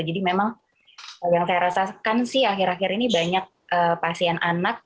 jadi memang yang saya rasakan sih akhir akhir ini banyak pasien anak